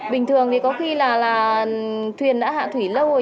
bình thường thì có khi là thuyền đã hạ thủy lâu rồi